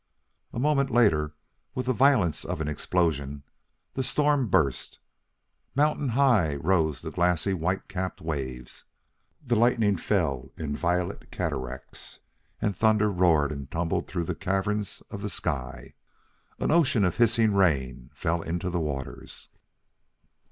A moment later, with the violence of an explosion, the storm burst. Mountain high rose the glassy white capped waves. The lightning fell in violet cataracts, and thunder roared and tumbled through the caverns of the sky. An ocean of hissing rain fell into the waters.